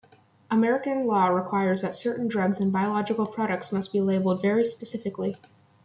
American law requires that certain drugs and biological products must be labelled very specifically.